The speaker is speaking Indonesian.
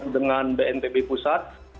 dan bnpb pusat